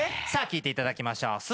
聴いていただきましょう。